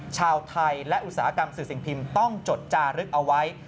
ชาวไทยและอุตสาหกรรมสื่อสิ่งพิมพ์ต้องจดจารึกเอาไว้